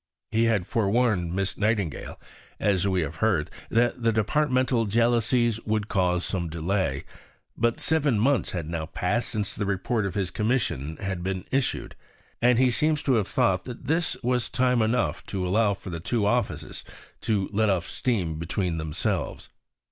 He had forewarned Miss Nightingale, as we have heard, that departmental jealousies would cause some delay; but seven months had now passed since the Report of his Commission had been issued, and he seems to have thought that this was time enough to allow for the two offices to let off steam between themselves.